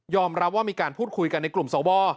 รับว่ามีการพูดคุยกันในกลุ่มสว